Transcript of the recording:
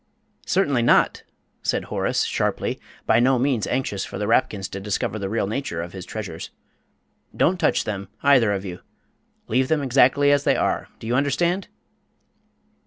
"Certainly not," said Horace, sharply, by no means anxious for the Rapkins to discover the real nature of his treasures. "Don't touch them, either of you. Leave them exactly as they are, do you understand?"